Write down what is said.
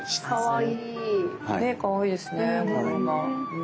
かわいい！ねえかわいいですね柄が。